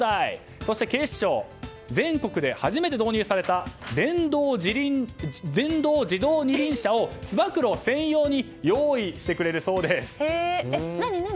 そして警視庁は全国で初めて導入された電動自動二輪車をつば九郎専用に用意してくれるそうです。